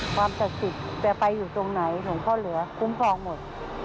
ความศักดิ์สิทธิ์จะไปอยู่ตรงไหนหลวงพ่อเหลือคุ้มครองหมด